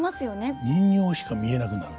人形しか見えなくなる。